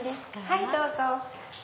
はいどうぞ。